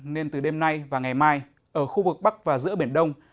nên từ đêm nay và ngày mai ở khu vực bắc và giữa biển đông